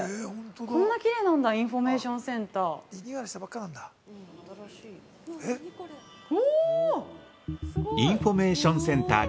こんなきれいなんだインフォメーションセンター。